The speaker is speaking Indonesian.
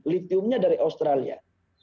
litiumnya dari australia